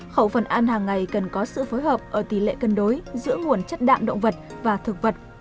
khẩu phần ăn hàng ngày cần có sự phối hợp ở tỷ lệ cân đối giữa nguồn chất đạm động vật và thực vật